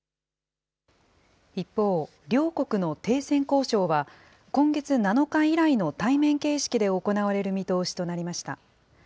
一方、両国の停戦交渉は、今月７日以来の対面形式で行われる見通しとなりました。